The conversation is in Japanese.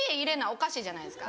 おかしいじゃないですか。